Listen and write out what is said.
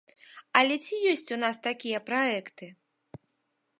Але ці ёсць у нас такія праекты?